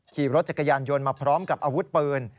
ขี่รถจักรยานยนต์มาพร้อมกับอาวุธปืน